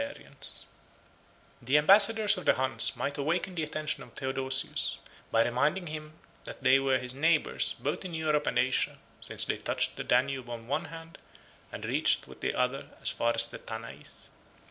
] The ambassadors of the Huns might awaken the attention of Theodosius, by reminding him that they were his neighbors both in Europe and Asia; since they touched the Danube on one hand, and reached, with the other, as far as the Tanais.